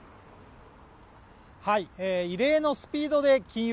異例のスピードで金融